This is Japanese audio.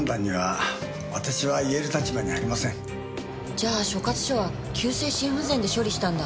じゃあ所轄署は急性心不全で処理したんだ。